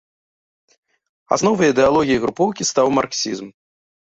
Асновай ідэалогіі групоўкі стаў марксізм.